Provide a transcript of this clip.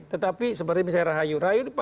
tetapi seperti misalnya rahayu rayu